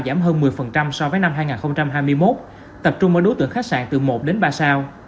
giảm hơn một mươi so với năm hai nghìn hai mươi một tập trung ở đối tượng khách sạn từ một đến ba sao